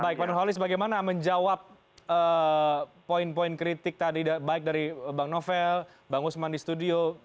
baik pak nurholis bagaimana menjawab poin poin kritik tadi baik dari bang novel bang usman di studio